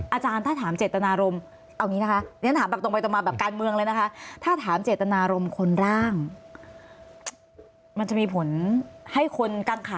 อาจารย์ถ้าถามเจตนารมณ์